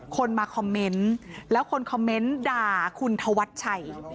คนมาคอมเมนต์แล้วคนคอมเมนต์ด่าคุณธวัชชัย